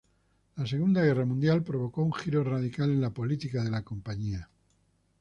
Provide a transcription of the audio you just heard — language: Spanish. La Segunda Guerra Mundial provocó un giro radical en la política de la compañía.